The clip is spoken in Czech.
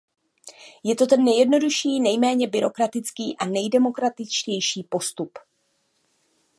Je to ten nejjednodušší, nejméně byrokratický a nejdemokratičtější postup.